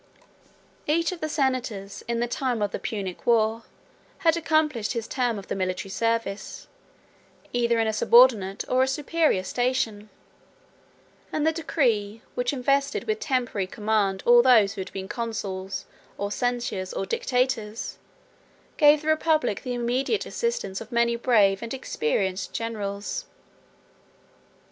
8 Each of the senators, in the time of the Punic war, had accomplished his term of the military service, either in a subordinate or a superior station; and the decree, which invested with temporary command all those who had been consuls, or censors, or dictators, gave the republic the immediate assistance of many brave and experienced generals.